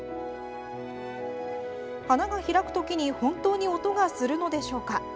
花が開く時に本当に音がするのでしょうか？